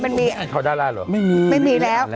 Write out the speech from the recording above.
นี่ฯก่อน